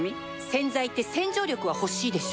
洗剤って洗浄力は欲しいでしょ